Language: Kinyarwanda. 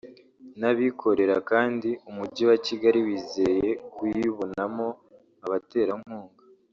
n’abikorera kandi umujyi wa Kigali wizeye kuyibonamo abaterankunga